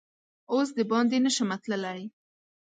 اوس دباندې نه شمه تللا ی